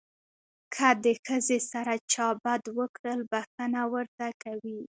که د ښځې سره چا بد وکړل بښنه ورته کوي.